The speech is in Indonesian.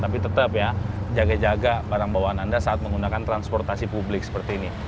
tapi tetap ya jaga jaga barang bawaan anda saat menggunakan transportasi publik seperti ini